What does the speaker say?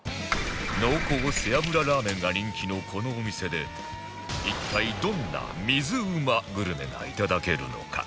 濃厚背脂ラーメンが人気のこのお店で一体どんな水うまグルメがいただけるのか？